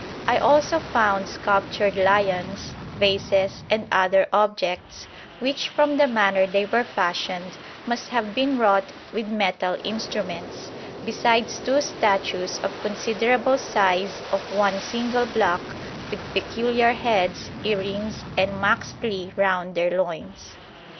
I also found sculptured lions, vases, and other objects, which from the manner they were fashioned must have been wrought with metal instruments; besides two statues of considerable size of one single block, with peculiar heads, earrings, and maxtli round their loins."